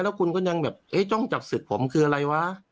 แล้วคุณก็ยังแบบเอ๊ะจ้องจับศึกผมคืออะไรวะ